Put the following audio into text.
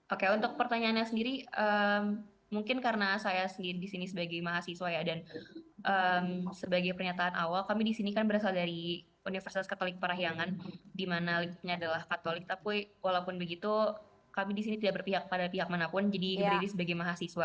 oke untuk pertanyaannya sendiri mungkin karena saya disini sebagai mahasiswa dan sebagai pernyataan awal kami disini kan berasal dari universitas katolik parahiangan dimana litnya adalah katolik tapi walaupun begitu kami disini tidak berpihak pada pihak manapun jadi berdiri sebagai mahasiswa